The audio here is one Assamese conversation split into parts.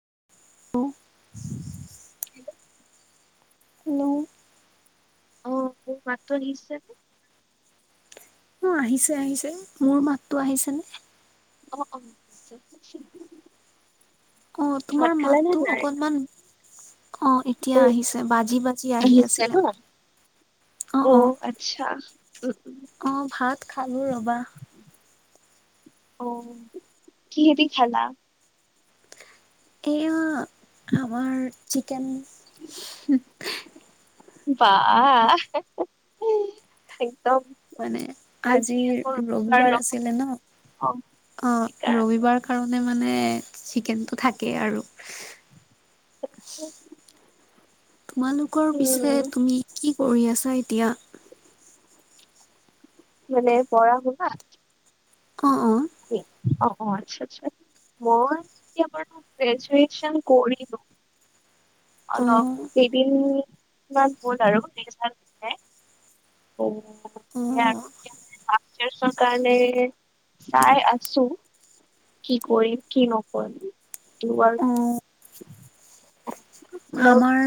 [inaudible] [inaudible] নো অ, মোক মাতটো দিছে। অ, আহিছে, আহিছে মোৰ মাততো আহিছে নে। অ, অ তোমাৰ ভাত খালা নে, মাতটো নাই? অকনমান অ, এতিয়া অ আহিছে বাজি, বাজি আহি আহিছে আছিল ন? মানে। অ', অ', উম উম অ', ভাত খালো ৰবা। অ, কিহেদি খালা। এয়া, আমাৰ চিকেন। বাহ [unintelligible] মানে আজি আজিৰ আকৌ ৰবিবাৰ নহয় আছিলে ন। অ, সেইকাৰণে ৰবিবাৰ কাৰণ। মানে, চিকেনটো থাকেই আৰু। [unintelligible] তোমালোকৰ পিছে উম তুমি কি কৰি আছা এতিয়া? মানে, পঢ়া, শুনা অ', অ'। অ, অ, আচ্ছা, আচ্ছা। মই এতিয়া বাৰু গ্ৰেজুৱে্চন কৰিলো। অ অলপ কেইদিনমান হ'ল আৰু [inaudible] অ, দিয়া গ্ৰেজুৱে্চন কাৰণে চাই, আছো। কি কৰিম, কি নকৰিম তোমাৰ। অ অ আমাৰ,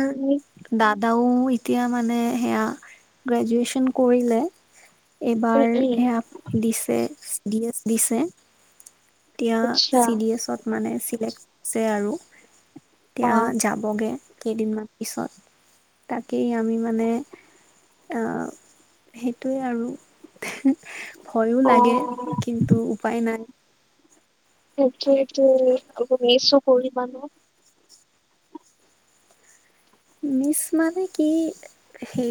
দাদাও এতিয়া মানে সেয়া গ্ৰেজুৱেচন কৰিলে। তুমি এইবাৰ এই সে, আপ, দিছে, ডি এছ দিছে। এতিয়া, আচ্ছা চি ডি এছত মানে চিলেক্ট যে আৰু। অ এতিয়া যাবগে, কেইদিনমান পিছত তাকেই আমি মানে অহ, সেইটোৱে আৰু। ভয়ো অ লাগে, কিন্তু উপায় নাই। সেইটোৱেটো অলপ মিচো কৰিবা ন। মিচ মানে কি সেই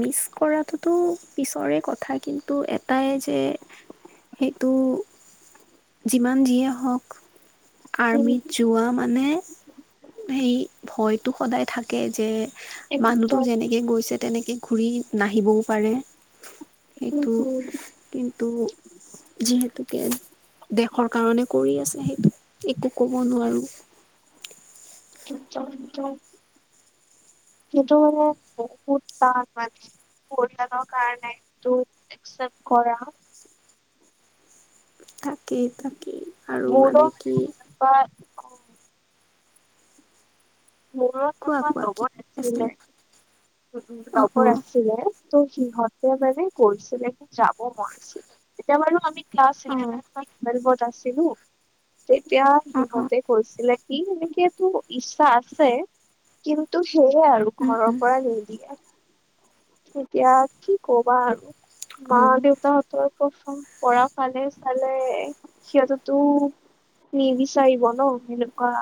মিচ কৰাটোতো পিছৰে কথা। কিন্তু এটাই যে সেটো যিমান যিয়ে হওক। উম, আৰ্মিত যোৱা মানে সেই ভয়টো সদায় থাকে। যে মানুহটো একদম যেনেকে গৈছে তেনেকে ঘূৰি নাহিবও পাৰে। উম সেইটো, হুম কিন্তু যিহেতু দেশৰ কাৰণে কৰি আছে সেইটো, একো ক'ব নোৱাৰোঁ। [unintelligible] সেইটো মানে বহুত টান মানে। পৰিয়ালৰ কাৰণে এইটো একচেপট কৰা তাকেই তাকেই আৰু মোৰো মানে কি এনেকুৱা অ মোৰো কোৱা এটা কোৱা কি লগৰ আছিল আছিলে উম, অ অ লগৰ আছিলে। ত' সিহঁতে মানে কৰিছিলে নেকি, যাব মন আছিল এতিয়া বাৰু আমি ক্লাছ অ ইলেভেন বা টোৱেলভত আছিলোঁ, তেতিয়া অ অ সিহঁতে কৈছিলে সি হেনেকাতো ইচ্ছা আছে কিন্তু সেয়ে আৰু উম ঘৰৰ উম পৰা নিদিয়ে। এতিয়া কি ক'বা আৰু অ মা দেউতাহঁতৰ পছন কৰা চালে সিহঁতেতো নিবিচাৰিব ন' এনেকুৱা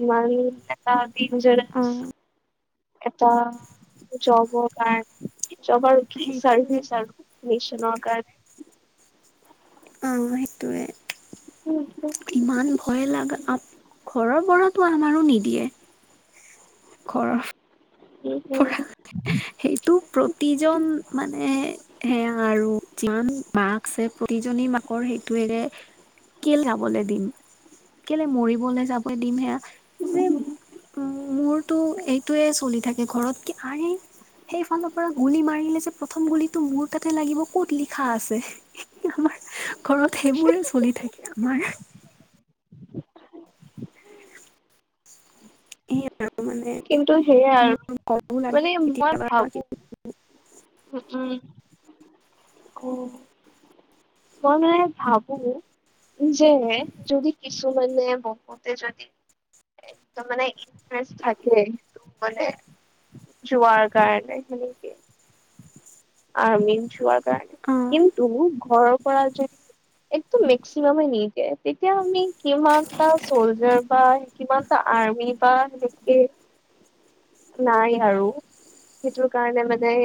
ইমান এটা অ দেনজাৰেচ এটা জবৰ কাৰণে জব আৰু কি সেইটোৱে চাৰ্ভিচ আৰু মিচনৰ কাৰণে অ' সেইটোৱে। ইমান ভয় লাগা, ঘৰৰ পৰাতো আমাৰো নিদিয়ে। ঘৰৰ তাকেই। সেইটো প্ৰতিজন মানে সেয়া আৰু যিমান মাক আছে প্ৰতিজনী মাকৰ সেইটোৱেৰে কেলে যাবলৈ দিম, কেলে মৰিবলৈ যাব দিম, সেয়া যে উম, মোৰটো এইটোয়ে চলি থাকে। ততকে আৰে। সেইফালৰ পৰা গুলি মাৰিলে যে প্ৰথম গুলিটো মোৰ তাতে লাগিব ক'ত লিখা আছে। [inaudible] ঘৰত সেইবোৰে চলি থাকে আমাৰ। হেয়া। কিন্তু সেয়াই আৰু, কবও লাগে মানে মই কেতিয়াবা ভাবোঁ। উম, উম, অ'। মই মানে ভাবোঁ। যে যদি কিছুমানে বহুতে যদি একদম মানে ইম্প্ৰেছ থাকে যাবলে। যোৱাৰ কাৰণে, সেনেকে অৰ্মিত যোৱা। অ কিন্তু ঘৰৰ পৰা যদি একে মেক্সিমামে নিদিয়ে, তেতিয়া আমি কিমানটা চ'লজাৰ বা কিমানটা আৰ্মি বা সেনকে নাই আৰু সেইটোৰ কাৰণে মানে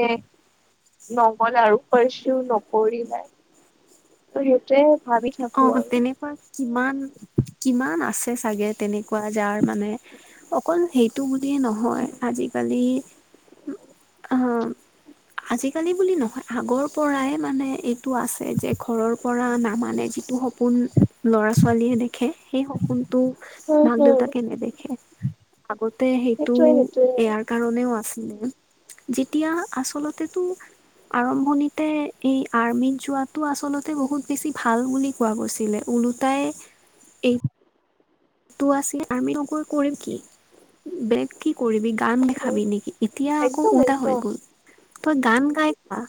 নগ'লে আৰু ফৰ্চো নকৰিলে। সেইটোৱে ভাবি থাকো অ', আৰু। তেনেকুৱা কিমান কিমান আছে ছাগে তেনেকুৱা যাৰ মানে অকল সেইটো বুলিয়ে নহয় আজিকালি আহ আজিকালি বুলি নহয়, আগৰ পৰাই মানে এইটো আছে যে ঘৰৰপৰা নামানে যি টো সপোন ল'ৰা ছোৱালীয়ে দেখে সেই সপোনটো হম মাক হম দেউতাকে নেদেখে। আগতে সেইটো সেইটোৱে ইয়াৰ সেইটোৱে কাৰণেও আছিলে। যেতিয়া আচলতেতো আৰম্ভণিতে এই আৰ্মিত যোৱাতটো আচলতে বহুত বেছি ভাল বুলি পোৱা গৈছিলে। ওলোটাই এই যিটো আছিলে আৰ্মীত নগৈ কৰিম কি? বেগ কি কৰিবি গান দেখাবি নেকি, এতিয়া আকৌ একদম উলটা হৈ একদম গ'ল। তই গান গাই পোৱা,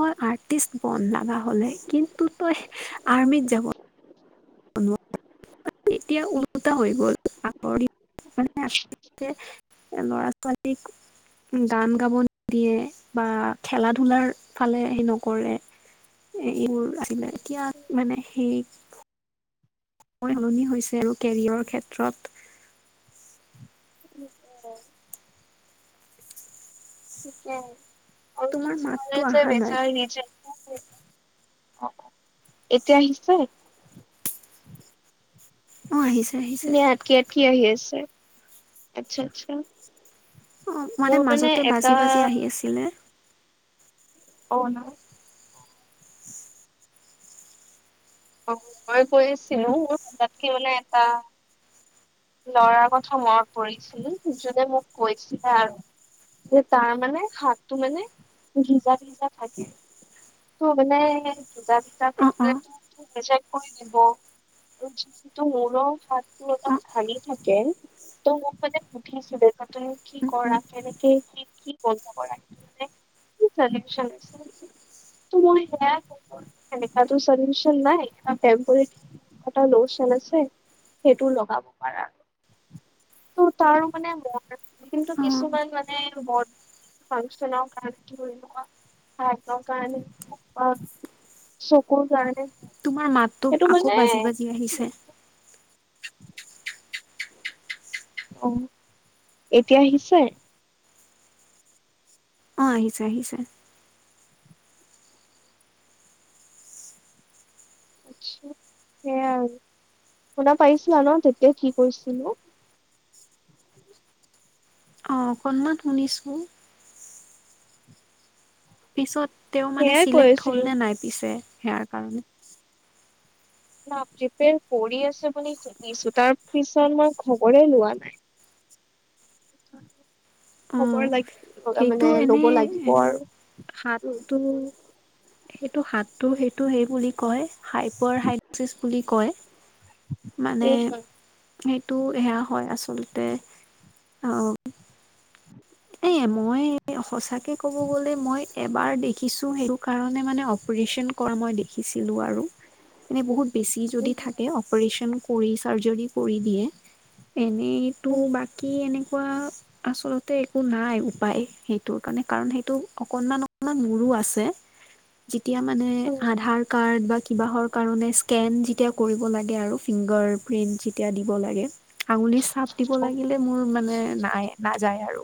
তই আৰ্টিষ্ট বন লগা হ'লে, কিন্তু তই আৰ্মিত যাব নোৱাৰি। এতিয়া ওলোটা হৈ গ'ল আগৰ দিন মানে আছে এ ল'ৰা ছোৱালীক গান গাব নিদিয়ে বা খেলা ধূলাৰ ফালে হে নকৰে। এ-এইবোৰ আহিলে, এতিয়া মানে সেই সময় সলনি হৈছে আৰু কেৰিয়াৰৰ ক্ষেত্ৰত। অ ঠিকে আৰু তোমাৰ মাততো কিছুমানে যে অহা নাই বিচাৰে নিজে [unintelligible] এতিয়া আহিছে? অ আহিছে। আহিছে। মানে আটকি-আটকি আহি আছে। আচ্ছা আচ্ছা। অ মানে মোৰ মাজতে এটা বাজি বাজি আহি আছিলে। অহ, না অ মই কৈ আছিলো [unintelligible] এটা ল'ৰাৰ কথা মনত পৰিছিল। যোনে মোক কৈছিলে আৰু যে তাৰ মানে শাকটো মানে ভিজা ভিজা থাকে। অ' অ' [unintelligible] অ' [unintelligible] উম উম [unintelligible] [unintelligible] [unintelligible] আছে। সেইটো লগাব পাৰা। ত-তাৰো মানে মন আছিল, কিন্তু কিছুমান অ' মানে [unintelligible] [unintelligible] চকুৰ কাৰণে তোমাৰ মাতটো সেইটো আকৌ মানে বাজি বাজি আহিছে। অ। এতিয়া আহিছে? অ আহিছে আহিছে। আচ্চা। সেয়া আৰু শুনা পাইছিলা ন তেতিয়া কি কৈছিলোঁ? অ অকণমান শুনিছো। পিছত তেওঁ মানে সেয়াই কৈ চিলেক্ট হ'ল আছিলো নে নাই পিছে সেয়াৰ কাৰণে? [unintelligible] পৰি আছে বুলি শুনিছো তাৰ পিছত মই খবৰে লোৱা নাই। অ' খবৰ [unintelligible] মানে সেইটো ল'ব এনেই, লাগিব আৰু উম হাতটো সেইটো হাতটো সেইটো সেই বুলি কয়, হাইপাৰ হাইিচ বুলি কয়। মানে এই সেইটো সেয়া হয় আচলতে। আহ মই সঁচাকে ক'ব গ'লে মই এবাৰ দেখিছো সেইটো কাৰণে মানে অপাৰচন মই দেখিছিলো আৰু এনে বহুত বেছি যদি থাকে অপাৰচন কৰি চাৰ্জী কৰি দিয়ে। এনেইতো বাকী এনেকুৱা আচলতে একো নাই উপায় সেইটো কাৰণে, কাৰণ সেইটো অকনমান অকমান মোৰো আছে। তেতিয়া মানে আধাৰ কাৰ্ড বা কিবাহৰ কাৰণে স্কেন যেতিয়া কৰিব লাগে আৰু ফিংগাৰ ফিন যেতিয়া দিব লাগে। আঙুলি চাপ দিব লাগিলে মোৰ মানে নাই নাযায় আৰু।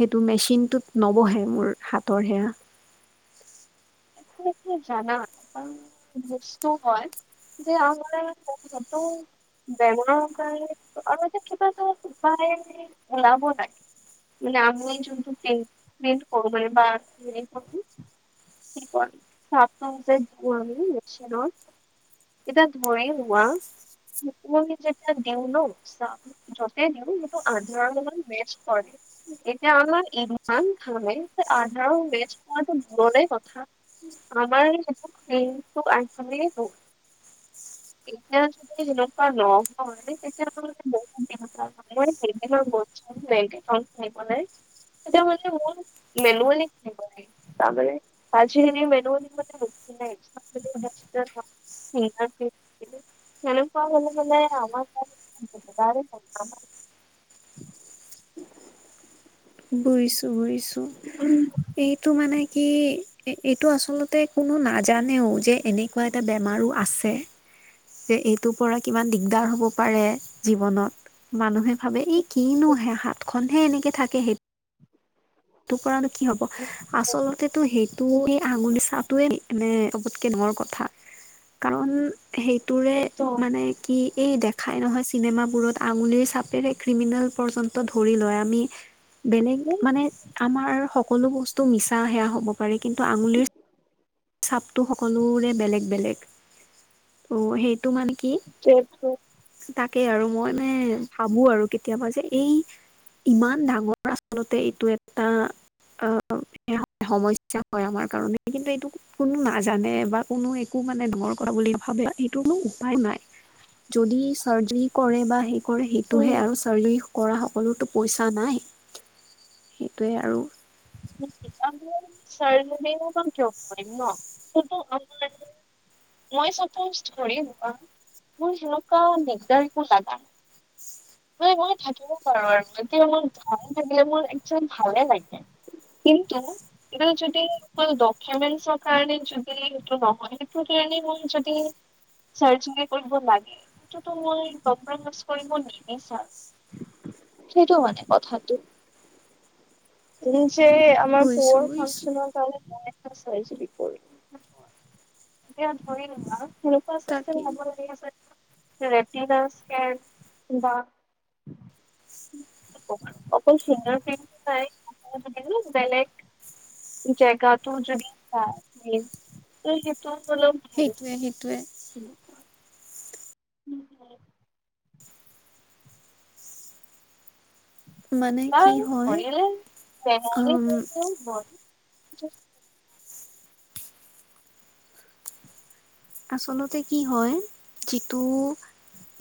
সেইটো মেচিনটোত নবহে মোৰ হাতৰ সেয়া। [unintelligible] বস্তু হয়। যে আমাৰ [unintelligible] [unintelligible] লাগে। নামে যোনটো [unintelligible] কি কৰি [unintelligible] এতিয়া [unintelligible] [unintelligible] আমি যেতিয়া দিও ন [unintelligible] আধাৰ লগত মেস্তচ কৰে। এতিয়া আমাৰ ইমান ঘামে আধাৰ মেষ্ট কৰটো দূৰৰে কথা। আমাৰ [unintelligible] এতিয়া যদি [unintelligible] [unintelligible] এতিয়া মানে মোৰ [unintelligible] তাৰ মানে [unintelligible] হেনেকুৱা হৈ গ'লে [unintelligible] [inaudible] বুইিছো বুজিছো এইটো মানে কি এইটো আচলতে কোনো নাজানেও যে এনেকুৱা এটা বেমাৰো আছে। যে এইটোৰ পৰা কিমান দিগদাৰ হ'ব পাৰে জীৱনত। মানুহে ভাবে এই কিনোহে হাতখনহে এনেকে থাকে। সেইটো সেইটো পৰানো কি হ'ব। আচলতেো সেইটো এই আঙুলি চাটোৱে মানে চবতকে ডাঙৰ কথা। কাৰণ সেইটোৰে মানে কি এই দেখা দেখাই নহয় চিনেমাবোৰত আঙুলিৰ চাপেৰে ক্ৰিমিনেল পৰ্যন্ত ধৰি লয় আমি বেলেগ মানে বাৰু সকলো বস্তু মিচা সেয়া হ'ব পাৰে। কিন্তু আঙুলিৰ চাপতটো সকলোৰে বেলেগ বেলেগ। ত' সেই সেইটো মানে কি তাক তাকেই আৰু মই মানে ভাবো আৰু কেতিয়াবা যে এই ইমান ডাঙৰ আচলতে এইটো এটা আহ এয়া সমস্যা হয় আমাৰ কাৰণে। কিন্তু এইটো কোনো নাজানে বা কোনো একো মানে ডাঙৰ কথা বুলি ভাবে এইটো কোনো উপায় নাই। যদি চাৰ্জাৰী কৰে বা সেই কৰে সেইটোহে আৰু চাৰ্জাৰী কৰা সকলোতো পইচা নাই সেইটোৱে আৰু। [inaudible] আমি চাৰজাৰিয়ে কিয় কৰিম ন। [unintelligible] মই চাপোজ ধৰিম মোৰ হেনেকা দিগদাৰ একো লাগা মানে মই থাকিব পাৰো আৰু [unintelligible] মোৰ একদম মোৰ ভালে লাগে। কিন্তু এই যদি ড'কমেন্ট কাৰণে যদি সেইটো নহয় সেই মই যদি চাৰযাৰি কৰিব লাগে। সেইটোতো মই [unintelligible] [unintelligible] সেইটো মানে কথাটো। যে আমাৰ বুজিছো পৰ বুজিছো ফাংচনৰ কাৰণে হয়। চাজাৰি কৰি। এতিয়া ধৰি লোৱা কেনেকুৱা চিচটেম তাকেই হ'ব লাগে [unintelligible] বা অকল চিংগাৰ ফিনে [unintelligible] বেলেগ জেগাটো যদি [unintelligible] ভাল সেইটোৱে আছিল সেইটোৱে। উমম, মানে কি তাই হয় [unintelligible] উম [unintelligible] আ আচলতে কি হয় যিটো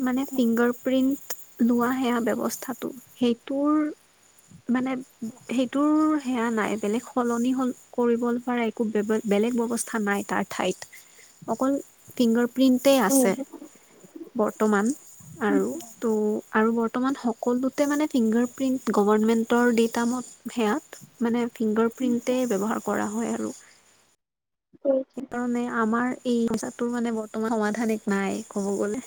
মানে, ফিংগাৰ প্ৰিন্ট লোৱা সেয়া ব্যৱস্থাটো সেইটোৰ মানে সেইটোৰ সেয়া নাই বেলেগ সলনি হল কৰিব পৰা একো বেলেগ ব্যৱস্থা নাই তাৰ ঠাইত অকল ফিংগাৰপিণ্টেই আছে বৰ্তমান আৰু তো আৰু বৰ্তমান সকলোতে মানে ফিংগাৰপিণ্ট গভৰ্ণমেণ্টৰ ডেইটামত সেয়াত মানে ফিংগাৰ প্ৰিণ্টেই ব্যৱহাৰ কৰা হয় আৰু সেইকাৰণে, আমাৰ এইজাটোৰ মানে বৰ্তমান সমাধানিক নাই ক'ব গ'লে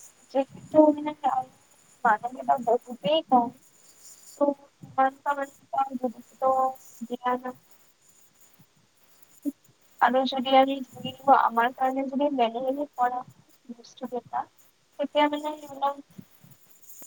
[unintelligible] কওঁ। [unintelligible] মন ধঞ ন আৰু যদি আমি ধৰি আমাৰ কাৰণে যদি মেল মেলি পা বজ বেটা এতিয়া মানে হ'ল